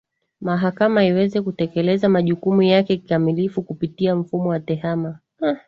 Mahakama iweze kutekeleza majukumu yake kimalifu kupitia mfumo wa Tehama